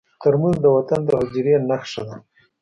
ترموز د وطن د حجرې نښه ده.